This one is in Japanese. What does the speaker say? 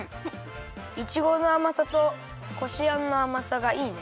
いちごのあまさとこしあんのあまさがいいね。